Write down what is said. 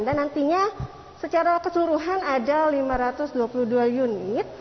dan nantinya secara keseluruhan ada lima ratus dua puluh dua unit